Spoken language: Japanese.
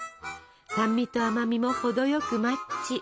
酸味と甘みも程よくマッチ。